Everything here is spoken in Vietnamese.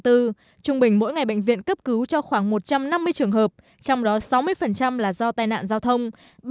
trung bình mỗi ngày bệnh viện cấp cứu cho khoảng một trăm năm mươi trường hợp trong đó sáu mươi là do tai nạn giao thông